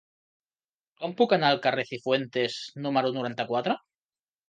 Com puc anar al carrer de Cifuentes número noranta-quatre?